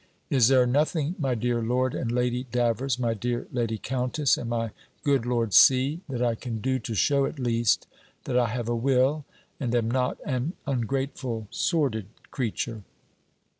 Is there nothing, my dear Lord and Lady Davers, my dear Lady Countess, and my good Lord C., that I can do, to shew at least, that I have a will, and am not an ungrateful, sordid creature?